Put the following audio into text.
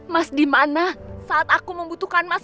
mas dimana saat aku membutuhkan mas